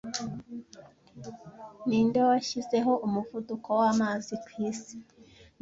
Ninde washyizeho umuvuduko wamazi kwisi